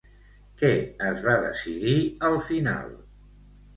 Què es va decidir al final?